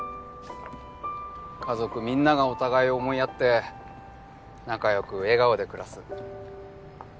家族みんながお互いを思いやって仲良く笑顔で暮らす。